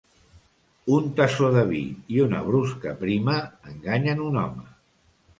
Un tassó de vi i una brusca prima enganyen un home.